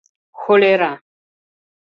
Холера!